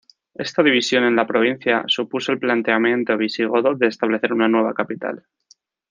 Esta división de la provincia, supuso el planteamiento visigodo de establecer una nueva capital.